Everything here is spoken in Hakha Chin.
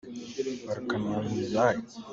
Faar kan hlam lai.